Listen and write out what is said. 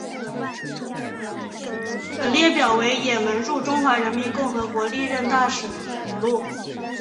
本列表为也门驻中华人民共和国历任大使名录。